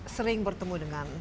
sering bertemu dengan